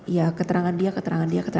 ya keterangan dia keterangan dia